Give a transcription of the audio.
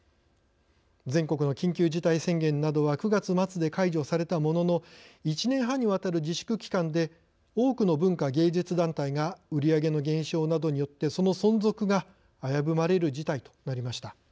全国の緊急事態宣言などは９月末で解除されたものの１年半にわたる自粛期間で多くの文化芸術団体が売り上げの減少などによってその存続が危ぶまれる事態となりました。